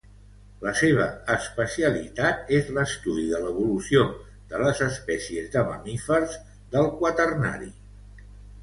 La seva especialitat és l'estudi de l'evolució de les espècies de mamífers del Quaternari.